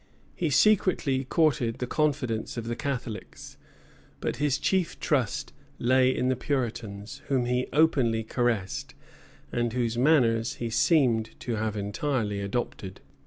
He secretly courted the confidence of the Catholics; but his chief trust lay in the Puritans, whom he openly caressed, and whose manners he seemed to have entirely adopted.